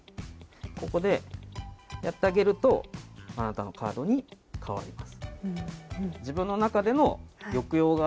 ここでやってあげると、あなたのカードに変わります。